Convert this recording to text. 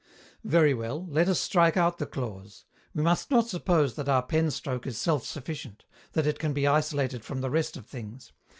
Very well, let us strike out the clause. We must not suppose that our pen stroke is self sufficient that it can be isolated from the rest of things.